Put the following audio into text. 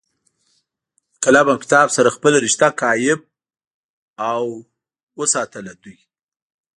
د قلم او کتاب سره خپله رشته قائم اوساتله دوي